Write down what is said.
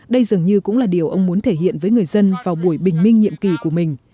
đây dường như cũng là điều ông muốn thể hiện với người dân vào buổi bình minh nhiệm kỳ của mình